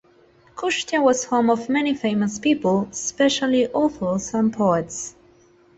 Kushtia was home of many famous people, especially authors and poets.